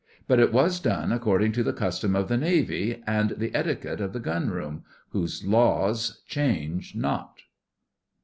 But it was done according to the custom of the Navy and the etiquette of the Gun room, whose laws change not.